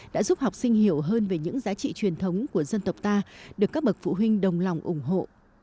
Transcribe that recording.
đã giúp học sinh hiểu hơn về những giá trị truyền thống của dân tộc ta được các bậc phụ huynh đồng lòng ủng hộ